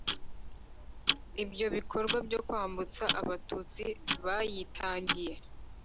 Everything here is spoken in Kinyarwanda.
Ibyo bikorwa byo kwambutsa Abatutsi yabitangiye